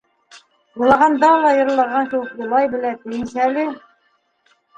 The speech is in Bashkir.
Илағанда ла йырлаған кеүек илай белә тиеңсәле.